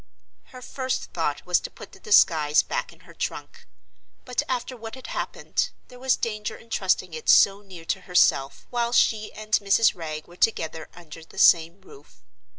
Her first thought was to put the disguise back in her trunk. But after what had happened, there was danger in trusting it so near to herself while she and Mrs. Wragge were together under the same roof.